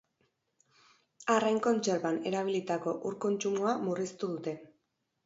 Arrain kontserban erabilitako ur kontsumoa murriztu dute.